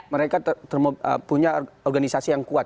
mereka punya organisasi yang kuat